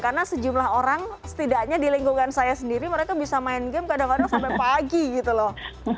karena sejumlah orang setidaknya di lingkungan saya sendiri mereka bisa main game kadang kadang sampai pagi gitu loh